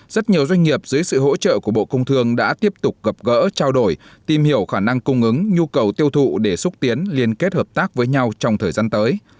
rất nhiều doanh nghiệp dưới sự hỗ trợ của bộ công thương đã tiếp tục gặp gỡ trao đổi tìm hiểu khả năng cung ứng nhu cầu tiêu thụ để xúc tiến liên kết hợp tác với nhau trong thời gian tới